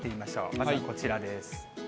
まずこちらです。